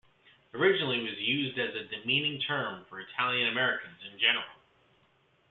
Originally, it was used as a demeaning term for Italian Americans in general.